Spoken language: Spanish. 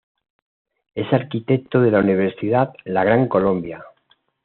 Es arquitecto de la Universidad La Gran Colombia.